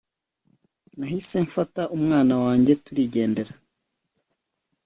Nahise mfata umwana wanjye turigendera